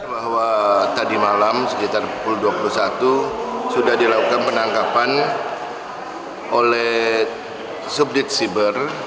bahwa tadi malam sekitar pukul dua puluh satu sudah dilakukan penangkapan oleh subdit siber